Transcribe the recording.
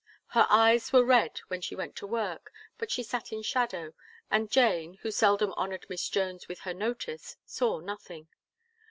Her eyes were red when she went to work, but she sat in shadow, and Jane, who seldom honoured Miss Jones with her notice, saw nothing.